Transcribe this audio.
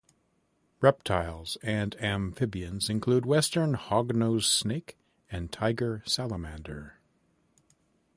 Reptiles and amphibians include western hognose snake and tiger salamander.